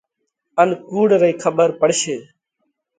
ان ڪُوڙ رئي کٻر پڙشي۔